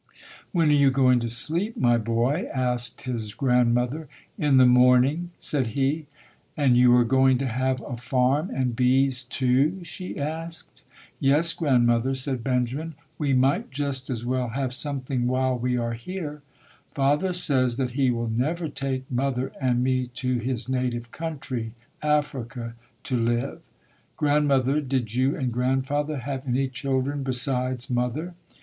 "When are you going to sleep, my boy?" asked his grandmother. "In the morning", said he. "And you are going to have a farm and bees, too?" she asked. "Yes, grandmother", said Benjamin, "we might just as well have something while we are here. Father says that he will never take mother and me to his native country Africa to live. Grandmother, did you and grandfather have any children besides mother?"